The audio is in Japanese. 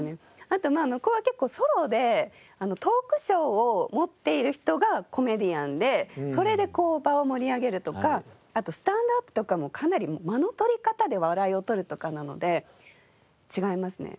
あとまあ向こうは結構ソロでトークショーを持っている人がコメディアンでそれで場を盛り上げるとかあとスタンダップとかもかなり間の取り方で笑いを取るとかなので違いますね。